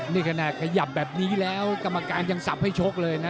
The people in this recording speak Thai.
นี่ขนาดขยับแบบนี้แล้วกรรมการยังสับให้ชกเลยนะ